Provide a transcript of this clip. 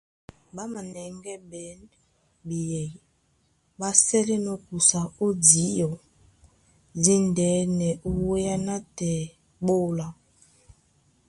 Ɓá manɛŋgɛ́ ɓên ɓeyɛy ɓá sɛ́lɛ́nɔ̄ kusa ó díɔ díndɛ́nɛ ó wéá nátɛɛ ɓé óla.